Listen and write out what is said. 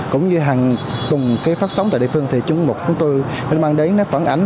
cũng như hàng cùng cái phát sóng tại địa phương thì chuyên mục chúng tôi mang đến nó phản ánh